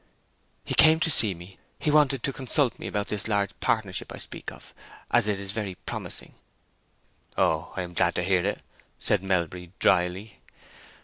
"He came to see me; he wanted to consult me about this large partnership I speak of, as it is very promising." "Oh, I am glad to hear it," said Melbury, dryly.